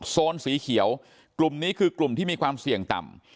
โซนสีเขียวกลุ่มนี้คือกลุ่มที่มีความเสี่ยงต่ำ